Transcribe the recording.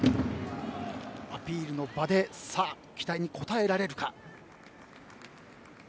アピールの場で期待に応えられるか。